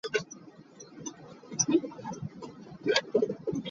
He was found dead in Sugar Creek, Missouri, outside his vehicle that evening.